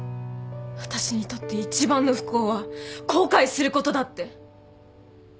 私にとって一番の不幸は後悔することだって。